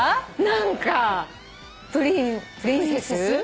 何かプリンセス。